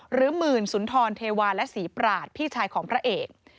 หรือหมื่นสุนทรเทวาและศรีปราชพี่ชายของพระเอก